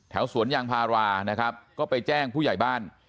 สวนยางพารานะครับก็ไปแจ้งผู้ใหญ่บ้าน